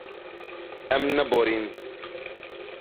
Em neborîn.